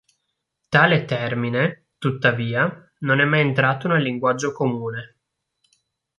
Tale termine, tuttavia, non è mai entrato nel linguaggio comune.